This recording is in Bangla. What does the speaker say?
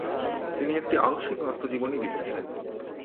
তিনি একটি আংশিক আত্মজীবনী লিখেছেন।